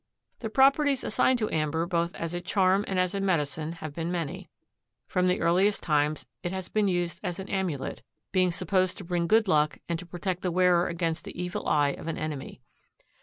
The properties assigned to amber both as a charm and as a medicine have been many. From the earliest times it has been used as an amulet, being supposed to bring good luck and to protect the wearer against the evil eye of an enemy.